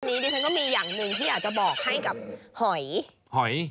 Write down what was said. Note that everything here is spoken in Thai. อันนี้ดิฉันก็มีอย่างหนึ่งที่อยากจะบอกให้กับหอยหอย